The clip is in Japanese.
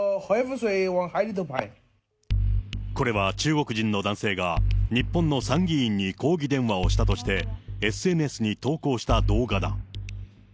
これは中国人の男性が日本の参議院に抗議電話をしたとして、ＳＮＳに投稿した動画だ。